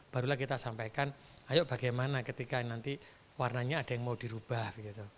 barulah kita sampaikan ayo bagaimana ketika nanti warnanya ada yang mau dirubah gitu